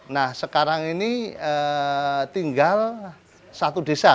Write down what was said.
nah sekarang ini tinggal satu desa